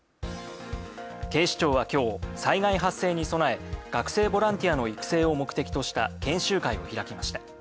警視庁は今日、災害発生に備え学生ボランティアの育成を目的とした研修会を開きました。